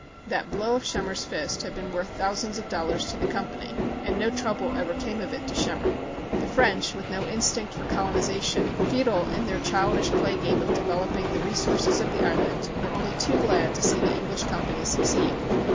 That blow of Schem mer's fist had been worth thousands of dollars to the Company, and no trouble ever came of it to Schemmer. The French, with no instinct for coloniza tion, futile in their childish playgame of develop ing the resources of the island, were only too glad to see the English Company succeed.